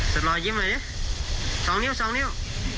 สนอยยิ้มอะไรเนี้ยสองนิ้วสองนิ้ว